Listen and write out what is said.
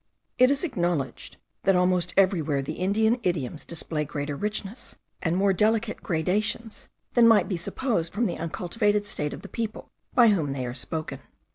It is acknowledged, that almost everywhere the Indian idioms display greater richness, and more delicate gradations, than might be supposed from the uncultivated state of the people by whom they are spoken.